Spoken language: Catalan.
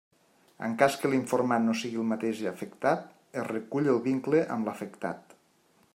En cas que l'informant no sigui el mateix afectat, es recull el vincle amb l'afectat.